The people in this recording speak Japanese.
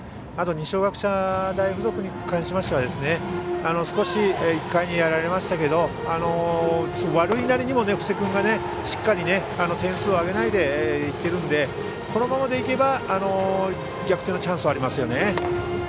あと、二松学舎大付属に関しては少し、１回にやられましたけど悪いなりにも布施君がしっかり点数をあげないでいってるのでこのままでいけば逆転のチャンスはありますよね。